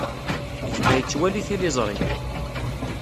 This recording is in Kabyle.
Gma yettwali tiliẓri.